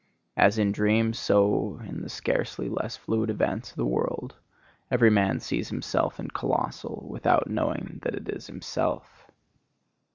As in dreams, so in the scarcely less fluid events of the world every man sees himself in colossal, without knowing that it is himself.